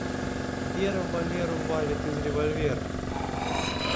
Вера Валеру валит из револьвера.